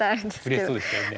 うれしそうでしたよね。